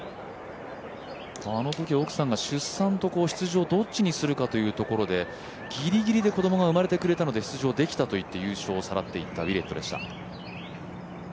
あのとき奥さんが出産と出場どっちにするかということでギリギリで子供が生まれてくれたので出場できたといって優勝をさらっていったウィレットでした。